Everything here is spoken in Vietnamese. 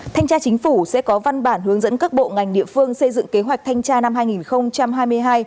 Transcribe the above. thanh tra chính phủ sẽ có văn bản hướng dẫn các bộ ngành địa phương xây dựng kế hoạch thanh tra năm hai nghìn hai mươi hai